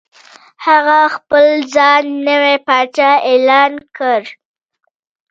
هغه خپل ځان نوی پاچا اعلان کړ.